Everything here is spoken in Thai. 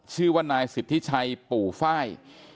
ชื่อว่านายสิทธิชัยปู่ฟ้าย